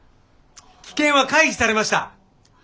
危険は回避されました。